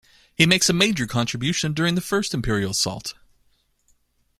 He makes a major contribution during the first imperial assault.